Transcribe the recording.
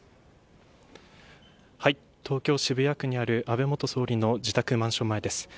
東京、渋谷区にある安倍元総理の自宅マンション前です。